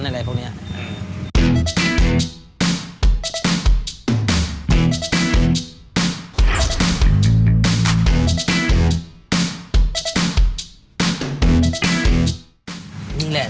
นี่แหละโทรวาคาผมเลย